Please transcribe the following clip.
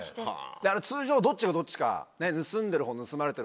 通常どっちがどっちか。